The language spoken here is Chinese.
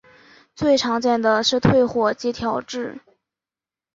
最常见的是退火及调质。